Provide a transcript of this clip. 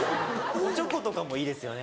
おちょことかもいいですよね。